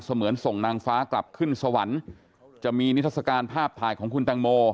เหมือนส่งนางฟ้ากลับขึ้นสวรรค์จะมีนิทัศกาลภาพถ่ายของคุณแตงโม